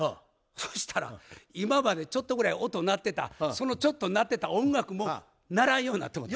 そしたら今までちょっとぐらい音鳴ってたそのちょっと鳴ってた音楽も鳴らんようなってもうた。